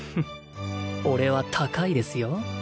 俺は高いですよ